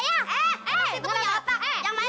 yang lain kan otak saya